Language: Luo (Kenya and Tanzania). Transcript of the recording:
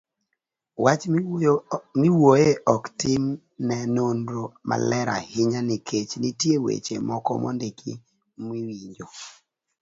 Wach miwuoyoe ok tim ne nonro maler ahinya nikech nitie weche moko mondiki miwinjo